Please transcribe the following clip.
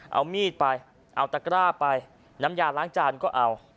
เอามีดไปเอาตะกร้าไปน้ำยาล้างจานก็เอา